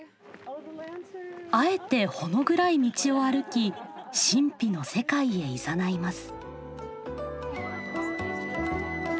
あえて仄暗い道を歩き神秘の世界へいざないます。